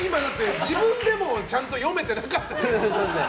自分でもちゃんと読めてなかった。